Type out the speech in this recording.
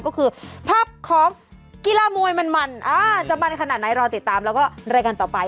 ก็คือภาพของกีฬามวยมันมันจะมันขนาดไหนรอติดตามแล้วก็รายการต่อไป